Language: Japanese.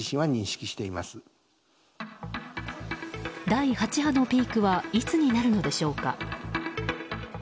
第８波のピークはいつになるのでしょうか。